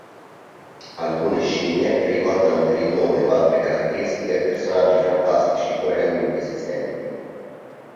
Alcune scimmie ricordano per il nome o altre caratteristiche personaggi fantastici o realmente esistenti.